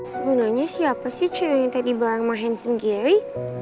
sebenernya siapa sih cewek yang tadi bareng sama handsome gary